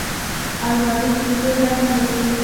الماري د کیسو ځای هم ګرځي